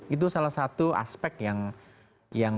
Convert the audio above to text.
itu salah satu aspek yang